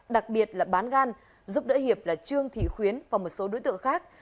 đặc biệt là bán gan giúp đỡ hiệp là trương thị khuyến và một số đối tượng khác